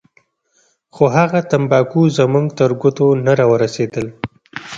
خو هغه تمباکو زموږ تر ګوتو نه راورسېدل.